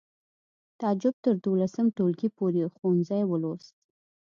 تعجب تر دولسم ټولګي پورې ښوونځی ولوست